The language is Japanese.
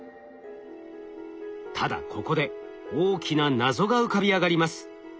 ただここで大きな謎が浮かび上がります。